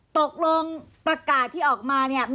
ตกลงประกาศที่ออกมาเนี่ย